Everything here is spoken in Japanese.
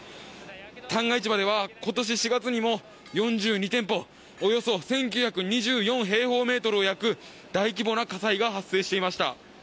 旦過市場では今年４月にも４２店舗、およそ１９２４平方メートルを焼く大規模な火災が発生していました。